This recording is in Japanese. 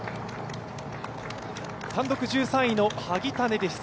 単独１３位の萩谷です。